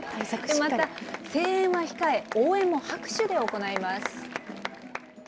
また声援はしっかり、応援も拍手で行います。